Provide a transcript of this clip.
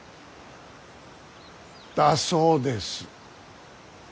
だそうです。